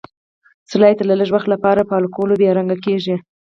سلایډ د لږ وخت لپاره په الکولو بې رنګ کیږي.